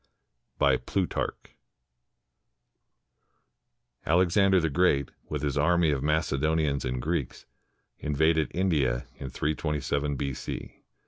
] BY PLUTARCH [Alexander the Great, with his army of Macedonians and Greeks, invaded India in 327 B.C.